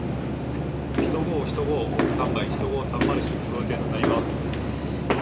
１５１５スタンバイ、１５３０出航予定となります。